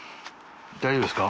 大丈夫ですか？